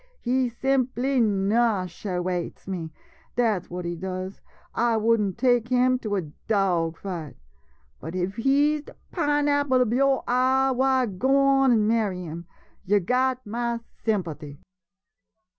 He simply nashewates me — dat 's what he does. I would n't take him to a^dawg fight. But if he's de pineapple ob yo' eye, why, go on an' marry him — yo' got ma sympathy.